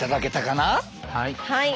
はい。